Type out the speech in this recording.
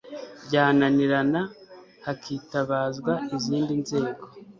byananirana hakitabazwa izindi nzego